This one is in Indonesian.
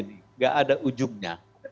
tidak ada ujungnya